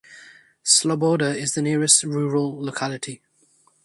Sloboda is the nearest rural locality.